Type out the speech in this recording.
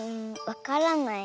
わからない。